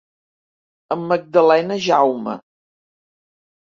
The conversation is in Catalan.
Amb Magdalena Jaume.